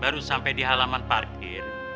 baru sampai di halaman parkir